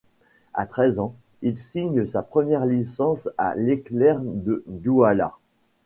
À treize ans, il signe sa première licence à l'Éclair de Douala.